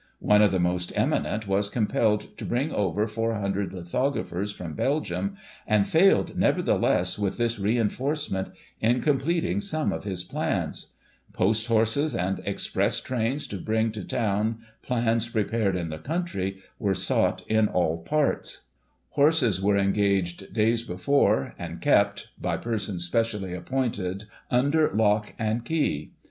One of the most eminent was compelled to bring over four hundred lithographers from Belgium, and failed, nevertheless, with this reinforcement, in completing some of his plans. Post horses and express Deposit of Railway Plans with the Board of Trade, 30 Nov., 1845. [///. Lon, News, 6 Dec, I845, p. 358. trains, to bring to town plans prepared in the country, were sought in all parts. Horses were engaged days before, and kept, by persons specially appointed, under lock and key.